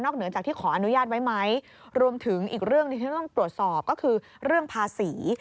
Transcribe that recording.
เหนือจากที่ขออนุญาตไว้ไหมรวมถึงอีกเรื่องที่ฉันต้องตรวจสอบก็คือเรื่องภาษี